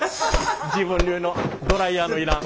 自分流のドライヤーの要らん。